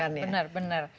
gak enak benar benar